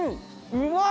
うまい！